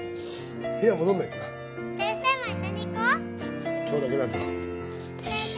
部屋に戻らないとな先生も一緒に行こう今日だけだぞ先生